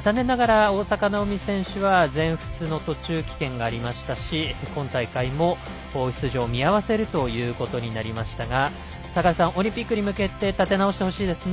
残念ながら大坂なおみ選手は全仏の途中棄権がありましたし今大会も出場を見合わせるということになりましたが坂井さん、オリンピックに向けて立て直してほしいですね。